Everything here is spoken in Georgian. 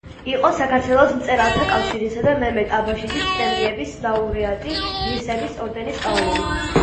იყო საქართველოს მწერალთა კავშირისა და მემედ აბაშიძის პრემიების ლაურეატი, ღირსების ორდენის კავალერი.